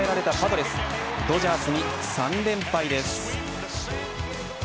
ドジャースに３連敗です。